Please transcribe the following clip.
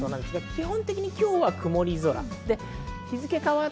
基本的に今日は曇り空。